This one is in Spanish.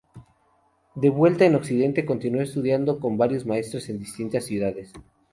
De vuelta en Occidente, continuó estudiando con varios maestros en distintas ciudades.